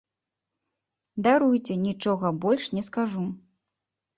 Даруйце, нічога больш не скажу.